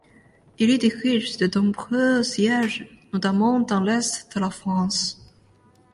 Il y dirige de nombreux sièges, notamment dans l’Est de la France.